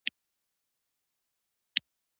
هغې وویل چې زه د کار له لاسه ستړې شوم